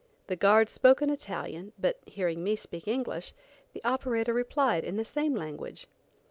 The guard spoke in Italian, but hearing me speak English, the operator replied in the same language.